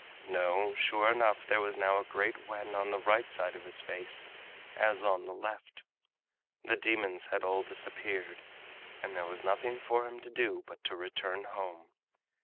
No, sure enough there was now a great wen on the right side of his face as on the left. The demons had all disappeared, and there was nothing for him to do but to return home.